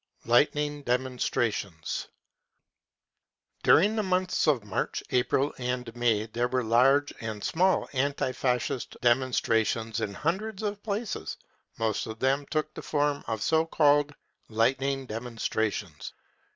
Lightning Demonstrations." During the months of March, April and May there were large and small anti Fascist demonstrations in hundreds of places ; most of then^ took the form of so called " lightning demonstrations."